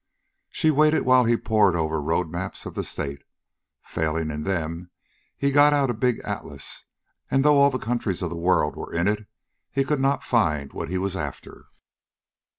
She waited while he pored over road maps of the state. Failing in them, he got out a big atlas, and, though all the countries of the world were in it, he could not find what he was after.